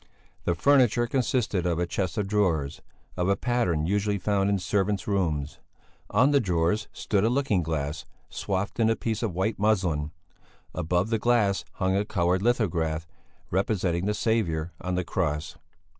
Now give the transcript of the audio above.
The furniture consisted of a chest of drawers, of a pattern usually found in servants' rooms; on the drawers stood a looking glass, swathed in a piece of white muslin; above the glass hung a coloured lithograph, representing the Saviour on the Cross.